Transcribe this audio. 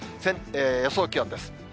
予想気温です。